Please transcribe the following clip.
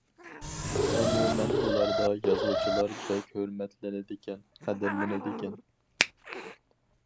ئومۇمەن ئۇلاردا يازغۇچىلار بەك ھۆرمەتلىنىدىكەن، قەدىرلىنىدىكەن.